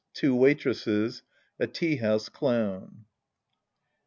Two Waitresses. A Tea house Clown.